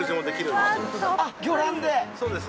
そうです